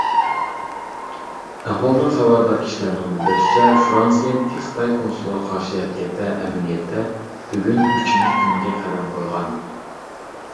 ئەھۋالدىن خەۋەردار كىشىلەرنىڭ بىلدۈرۈشىچە، فىرانسىيەدىكى خىتاي كونسۇلىغا قارشى ھەرىكەتلەر ئەمەلىيەتتە بۈگۈن ئۈچىنچى كۈنىگە قەدەم قويغان.